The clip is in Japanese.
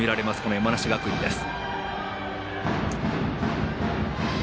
山梨学院です。